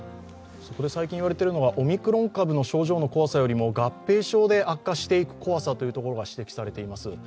最近言われているのはオミクロン株の症状の怖さよりも合併症で悪化していく怖さが指摘されています。